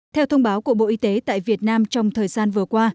theo thông báo của bộ y tế tại việt nam trong thời gian vừa qua